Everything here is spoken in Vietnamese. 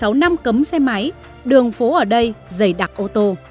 sau một mươi sáu năm cấm xe máy đường phố ở đây dày đặc ô tô